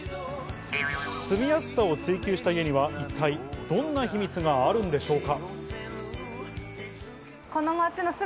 住みやすさを追求した家には一体どんな秘密があるんでしょうか？